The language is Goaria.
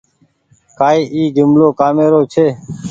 ڪآئي اي جملو ڪآمي رو ڇي۔